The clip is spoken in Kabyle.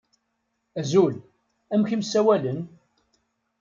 Azul, amek i m-ssawalen?